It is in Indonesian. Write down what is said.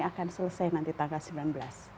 akan selesai nanti tanggal sembilan belas